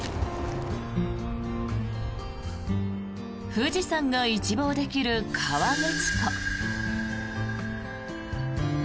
富士山が一望できる河口湖。